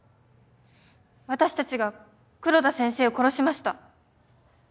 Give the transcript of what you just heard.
私たちが黒田先生を殺しました。